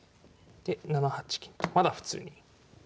で７八金とまだ普通に。